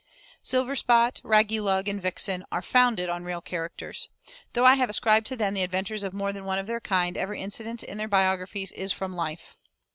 Silverspot, Raggylug, and Vixen are founded on real characters. Though I have ascribed to them the adventures of more than one of their kind, every incident in their biographies is from life.